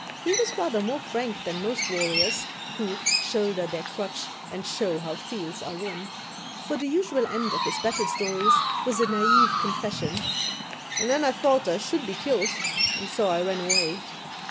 He was rather more frank than most warriors, who 'shoulder their crutch, and show how fields are won;' for the usual end of his battle stories was the naïve confession, 'and then I thought I should be killed, and so I ran away.'